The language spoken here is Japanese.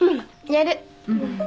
やる。